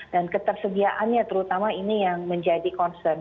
dan ketersediaannya terutama ini yang menjadi concern